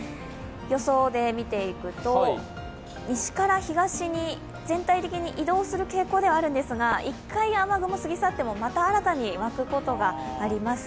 予想で見ていくと、西から東に全体的に移動する傾向ではあるんですが１回雨雲が過ぎ去っても、また新たに湧くことがあります。